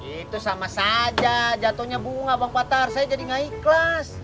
itu sama saja jatuhnya bunga bang patar saya jadi nggak ikhlas